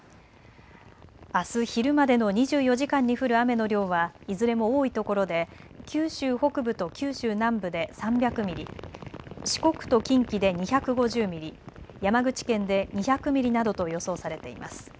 あす昼までの２４時間に降る雨の量はいずれも多いところで九州北部と九州南部で３００ミリ、四国と近畿で２５０ミリ、山口県で２００ミリなどと予想されています。